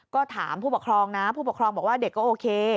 ก็ถามผู้ปกครองนะผู้ปกครองบอกว่าเด็กก็โอเค